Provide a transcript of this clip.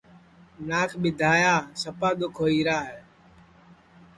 ناک ٻیدھایا سپا دُؔکھ ہوئیرا ہے